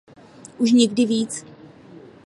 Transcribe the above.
Už nikdy víc!